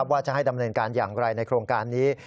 ว่าจะให้ดำเนินการอย่างไรในโครงการนี้